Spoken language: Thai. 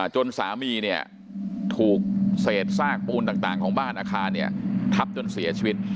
จนสามีเนี่ยถูกเศษซากปูนต่างของบ้านอาคารทับจนเสียชีวิต